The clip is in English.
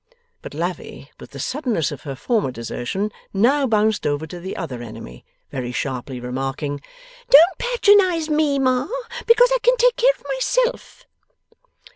But Lavvy, with the suddenness of her former desertion, now bounced over to the other enemy: very sharply remarking, 'Don't patronize ME, Ma, because I can take care of myself.